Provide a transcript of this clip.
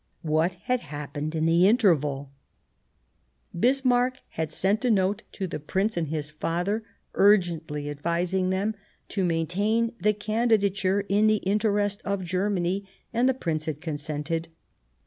What had happened in the interval ? Bis marck had sent a note to the Prince and his father " urgently " advising them to maintain the candi dature "in the interest of Germany"; and the Prince had consented.